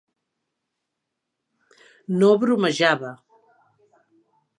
No bromejava.